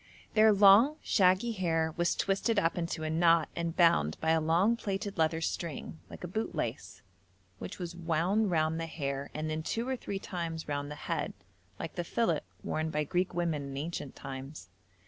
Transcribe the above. Their long shaggy hair was twisted up into a knot and bound by a long plaited leather string like a bootlace, which was wound round the hair and then two or three times round the head, like the fillet worn by Greek women in ancient times.